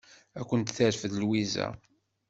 Ad kent-terfed Lwiza.